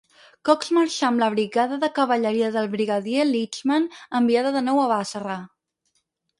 Cox marxà amb la brigada de cavalleria del brigadier Leachman enviada de nou a Basra.